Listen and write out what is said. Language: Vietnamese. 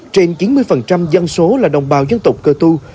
trên chín mươi dân số là đồng bào dân tộc cơ tu